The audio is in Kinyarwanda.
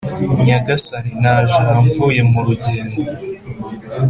“Nyagasani, naje aha mvuye mu rugendo